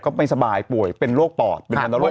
ก็ไม่สบายป่วยเป็นโรคปอดเป็นธนโรคปอด